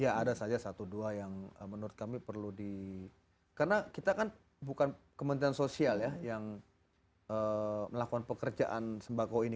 ya ada saja satu dua yang menurut kami perlu di karena kita kan bukan kementerian sosial ya yang melakukan pekerjaan sembako ini